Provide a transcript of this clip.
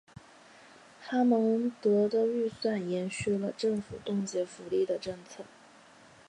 哈蒙德的预算延续了政府冻结福利的政策。